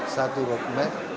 satu road map